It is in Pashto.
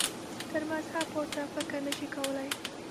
تر مذهب پورته فکر نه شي کولای.